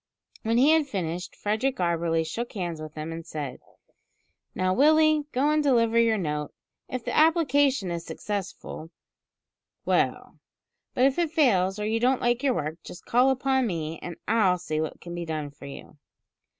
When he had finished, Frederick Auberly shook hands with him and said: "Now, Willie, go and deliver your note. If the application is successful, well; but if it fails, or you don't like your work, just call upon me, and I'll see what can be done for you."